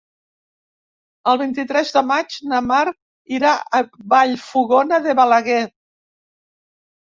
El vint-i-tres de maig na Mar irà a Vallfogona de Balaguer.